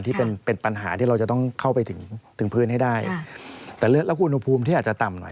ที่เป็นเป็นปัญหาที่เราจะต้องเข้าไปถึงถึงพื้นให้ได้แต่เลือดแล้วอุณหภูมิที่อาจจะต่ำหน่อย